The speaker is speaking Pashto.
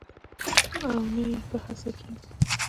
او نه یې په هڅه کې یم